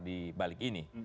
di balik ini